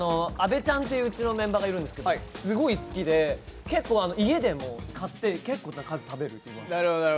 あべちゃんといううちのメンバーがいるんですけどすごい好きで結構家でも買って食べる。